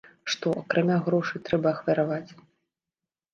Што, акрамя грошай, трэба ахвяраваць?